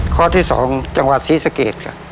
ข้อที่๒จังหวัดศรีสเกต